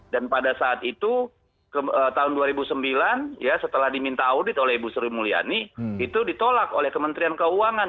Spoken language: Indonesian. dan pada saat itu tahun dua ribu sembilan setelah diminta audit oleh ibu suri mulyani itu ditolak oleh kementerian keuangan